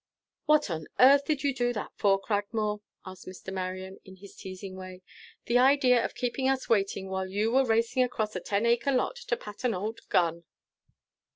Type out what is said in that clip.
"What on earth did you do that for, Cragmore?" asked Mr. Marion, in his teasing way. "The idea of keeping us waiting while you were racing across a ten acre lot to pat an old gun."